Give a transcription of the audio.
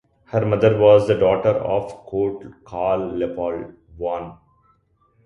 Her mother was the daughter of Count Karl Leopold von Schlieben.